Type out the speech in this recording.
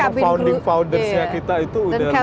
itu memang founding foundersnya kita itu udah luar biasa